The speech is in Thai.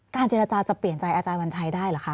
เจรจาจะเปลี่ยนใจอาจารย์วันชัยได้หรือคะ